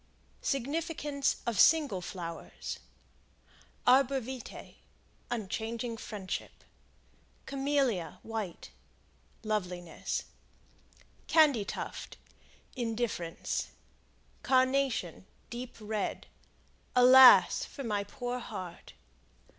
Significance of Single Flowers. Arbor Vitae Unchanging friendship. Camelia, White Loveliness. Candy Tuft Indifference. Carnation, Deep Red Alas! for my poor heart.